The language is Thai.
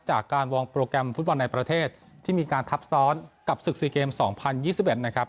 จากการวางโปรแกรมฟุตบอลในประเทศที่มีการทับซ้อนกับศึก๔เกม๒๐๒๑นะครับ